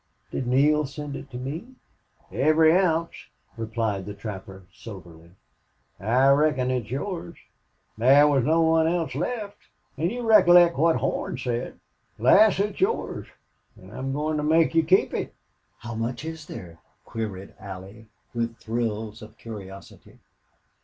Did Neale send it to me?" "Every ounce," replied the trapper, soberly. "I reckon it's yours. Thar was no one else left an' you recollect what Horn said. Lass, it's yours an' I'm goin' to make you keep it." "How much is there?" queried Allie, with thrills of curiosity.